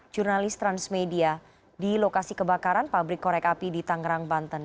jurnalis transmedia di lokasi kebakaran pabrik korek api di tangerang banten